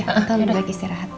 nanti aku balik istirahat